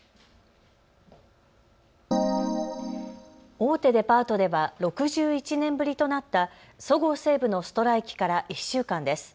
大手デパートでは６１年ぶりとなったそごう・西武のストライキから１週間です。